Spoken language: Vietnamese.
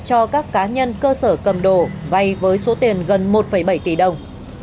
cho các cá nhân cơ sở cầm đồ vay với số tiền gần một bảy tỷ đồng